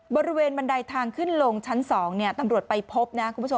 บริเวณบันไดทางขึ้นลงชั้น๒ตำรวจไปพบ